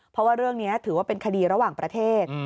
เพราะว่าเรื่องนี้ถือว่าเป็นคดีระหว่างประเทศ